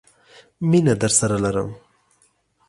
مینه درسره لرم!